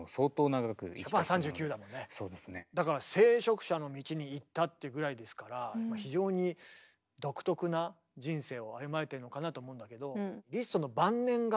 だから聖職者の道に行ったっていうぐらいですから非常に独特な人生を歩まれてるのかなと思うんだけど。